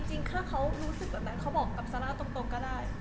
จริงถ้าเขารู้สึกแบบนั้นเขาบอกกับซาร่าตรงก็ได้